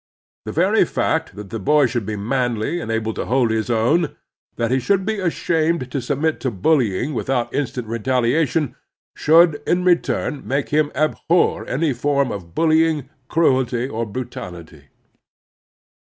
The very fact that the boy should be manly and able to hold his own, that he should be ashamed to submit to bullying without instant retaliation, should, in return, make him abhor any form of bullying, cruelty, or brutality.